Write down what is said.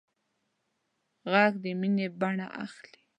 غږ د مینې بڼه اخلي